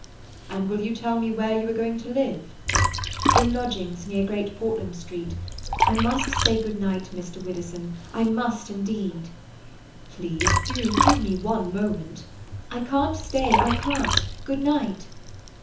"And will you tell me where you are going to live?" "In lodgings near Great Portland Street. I must say good night, Mr. Widdowson. I must, indeed." "Please—do give me one moment!" "I can't stay—I can't—good night!"